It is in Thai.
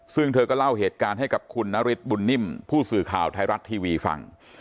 ซึ่งเธอก็เล่าเหตุการณ์ให้กับคุณนฤทธิบุญนิ่มผู้สื่อข่าวไทยรัฐทีวีฟัง